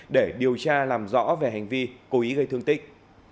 để điều tra làm rõ về hành vi cố ý gây thương tích